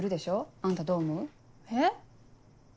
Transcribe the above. あんたどう思う？え？